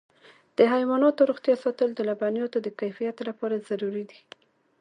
د حیواناتو روغتیا ساتل د لبنیاتو د کیفیت لپاره ضروري دي.